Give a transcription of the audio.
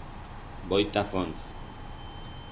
Voi ta Fonz.